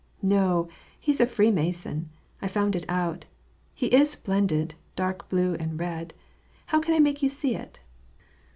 " No : he's a Freemason ; I found it out. He is splendid, dark blue and red. How can I make you see it